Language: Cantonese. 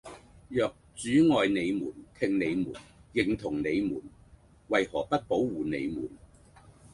若主愛你們，聽你們，認同你們，為何不保護你們？